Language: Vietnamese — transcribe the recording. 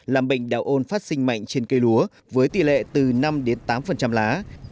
làm bệnh đạo ôn phát sinh mạnh trên cây lúa với tỷ lệ từ năm tám lá